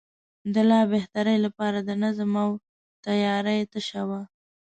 د لا بهترۍ لپاره د نظم او تیارۍ تشه وه.